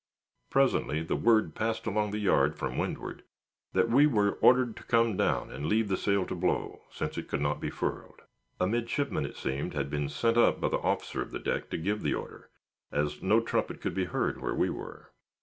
Presently, the word passed along the yard from windward, that we were ordered to come down and leave the sail to blow, since it could not be furled. A midshipman, it seemed, had been sent up by the officer of the deck to give the order, as no trumpet could be heard where we were.